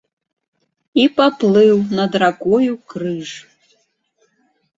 І паплыў над ракою крыж.